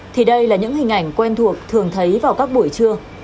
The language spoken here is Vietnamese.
thì đây là những hình ảnh quen thuộc thường thấy vào các buổi trưa